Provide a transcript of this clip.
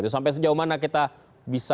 sampai sejauh mana kita bisa